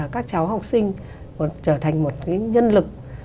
các cháu học sinh trở thành một nhân lực